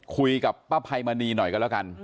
คุยกับป้าไพมณีหน่อยกันแล้วกัน